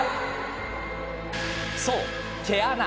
そう、毛穴。